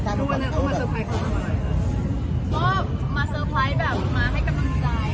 จริงเหรอนี่แบบไม่คุ้นนะถ้าเราซาวน่าเวียนต้อง้ามีของผู้ชาย